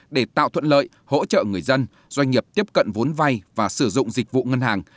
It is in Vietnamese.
để tạo thuận lợi hỗ trợ người dân doanh nghiệp tiếp cận vốn vay và sử dụng dịch vụ ngân hàng